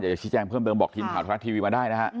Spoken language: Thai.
อย่าชิดแจ้งเพิ่มเติมบอกทีมถ่าวทะละทีวีมาได้นะฮะ